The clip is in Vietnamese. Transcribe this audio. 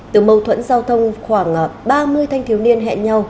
từ mâu thuẫn giao thông khoảng ba mươi thanh thiếu niên hẹn nhau